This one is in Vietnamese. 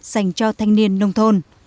dành cho thanh niên nông thôn